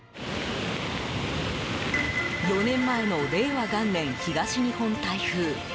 ４年前の令和元年東日本台風。